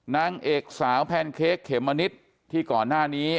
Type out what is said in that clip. นางเอกสาวแพนเค้กเขมมะนิดที่ก่อนหน้านี้